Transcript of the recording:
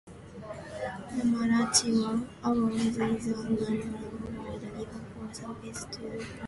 The Malachi Award is an annual award given for service to the pro-life movement.